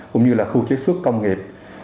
cũng như là khu chế xuất công nghiệp